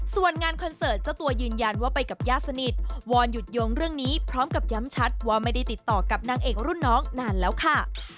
ส่วนงานคอนเสิร์ตเจ้าตัวยืนยันว่าไปกับญาติสนิทวอนหยุดโยงเรื่องนี้พร้อมกับย้ำชัดว่าไม่ได้ติดต่อกับนางเอกรุ่นน้องนานแล้วค่ะ